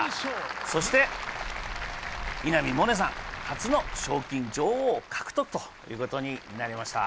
そして稲見萌寧さん、初の賞金女王を獲得ということになりました。